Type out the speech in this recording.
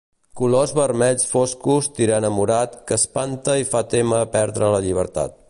Colors vermells foscos tirant a morat que espanta i fa témer perdre la llibertat.